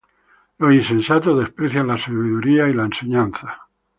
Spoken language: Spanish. Los insensatos desprecian la sabiduría y la enseñanza.